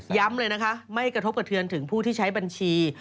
เลยนะคะไม่กระทบกระเทือนถึงผู้ที่ใช้บัญชี